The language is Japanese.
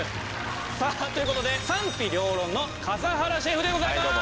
さあという事で賛否両論の笠原シェフでございます。